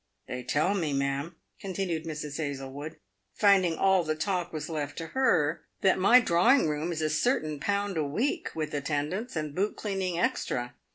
" They tell me, ma'am," continued Mrs. Hazlewood, finding all the talk was left to her, " that my drawing room is a certain pound a week, with attendance and boot cleaning extra.